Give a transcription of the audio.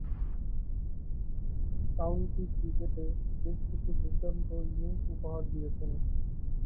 County ক্রিকেটে বেশকিছু দূর্দান্ত ইনিংস উপহার দিয়েছেন।